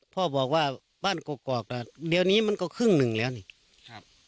พ่อบอกว่าบ้านกรกกอกอ่ะเดี๋ยวนี้มันก็ครึ่งหนึ่งแล้วนี่ครับ